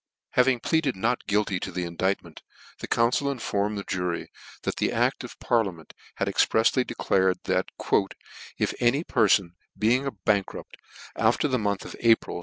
Having pleaded not guilty to the indictment the council informed the jury that the act of par liament had exprefsly declared that " if any ' perfon, being a bankrupt, after the month of T 2 " April